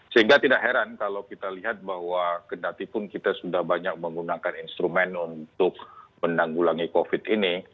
sehingga tidak heran kalau kita lihat bahwa kendatipun kita sudah banyak menggunakan instrumen untuk menanggulangi covid ini